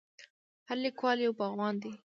هر لیکوال یو باغوان دی.